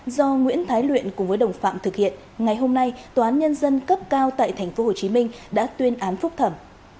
do nguyễn thái luyện cùng với đồng phạm thực hiện ngày hôm nay tòa án nhân dân cấp cao tại tp hcm đã tuyên án phúc thẩm